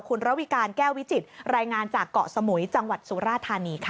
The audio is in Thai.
คุณระวิการแก้ววิจิตรายงานจากเกาะสมุยจังหวัดสุราธานีค่ะ